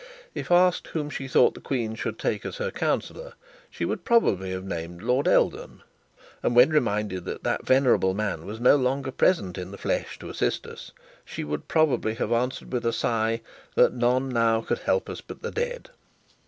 If asked whom she thought the Queen should take as her counsellor, she would probably have named Lord Eldon; and when reminded that that venerable man was no longer present in the flesh to assist us, she would probably have answered with a sigh that none now could help us but the dead.